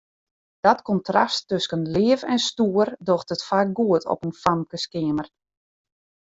Dat kontrast tusken leaf en stoer docht it faak goed op in famkeskeamer.